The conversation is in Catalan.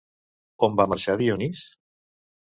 On va marxar Dionís?